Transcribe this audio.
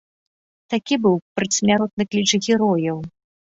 Такі быў перадсмяротны кліч герояў.